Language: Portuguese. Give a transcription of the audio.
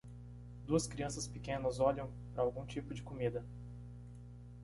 Duas crianças pequenas olham para algum tipo de comida.